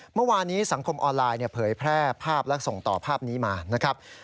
เมื่อวานนี้สังคมออนไลน์เผยแพร่ภาพและส่งต่อภาพนี้มานะครับ